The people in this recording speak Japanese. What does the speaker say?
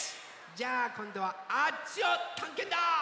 じゃあこんどはあっちをたんけんだ！